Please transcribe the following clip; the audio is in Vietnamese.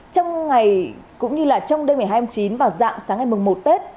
trong ngày cũng như là trong đêm ngày hai mươi chín vào dạng sáng ngày mừng một tết